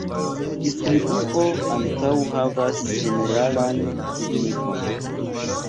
Distribuo ankaŭ havas ĝeneralan signifon.